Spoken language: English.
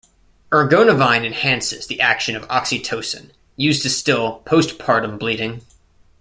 Ergonovine enhances the action of oxytocin, used to still "post partum" bleeding.